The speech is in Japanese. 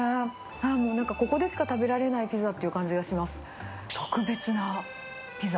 もう、なんかここでしか食べられないピザって感じがします。